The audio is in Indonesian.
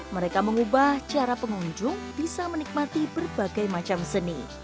mereka mengubah cara pengunjung bisa menikmati berbagai macam seni